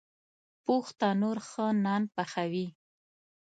پوخ تنور ښه نان پخوي